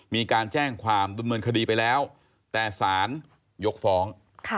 มีการแจ้งความดำเนินคดีไปแล้วแต่สารยกฟ้อง